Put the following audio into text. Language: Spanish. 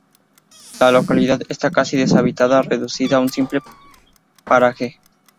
La localidad está casi deshabitada, reducida a un simple paraje.